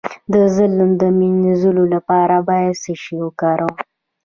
د ظلم د مینځلو لپاره باید څه شی وکاروم؟